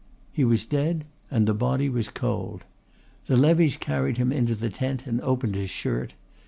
He was dead and the body was cold. The levies carried him into the tent and opened his shirt.